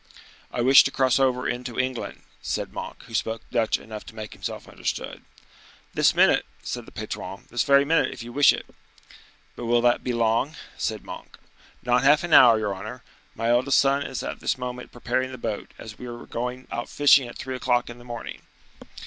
"I wish to cross over into England," said Monk, who spoke Dutch enough to make himself understood. "This minute," said the patron, "this very minute, if you wish it." "But will that be long?" said Monk. "Not half an hour, your honor. My eldest son is at this moment preparing the boat, as we were going out fishing at three o'clock in the morning."